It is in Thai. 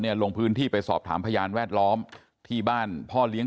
ลงพื้นที่ไปสอบถามพยานแวดล้อมที่บ้านพ่อเลี้ยง